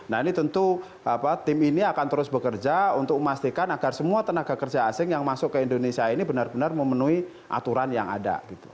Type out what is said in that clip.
nah ini tentu tim ini akan terus bekerja untuk memastikan agar semua tenaga kerja asing yang masuk ke indonesia ini benar benar memenuhi aturan yang ada